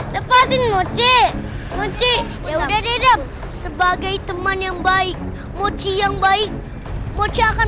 lepasin mochi mochi ya udah deh dam sebagai teman yang baik mochi yang baik mochi akan